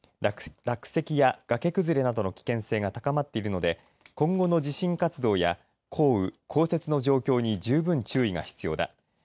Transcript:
落石や崖崩れなどの危険性が高まっているので今後の地震活動や降雨降雪の状況に十分注意が必要だ。